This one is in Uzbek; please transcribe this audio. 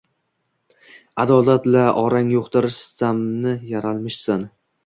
Adolat-la orang yoʻqdir, sitamdanmi yaralmishsan?